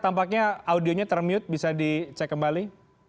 tampaknya audionya termute bisa dicek kembali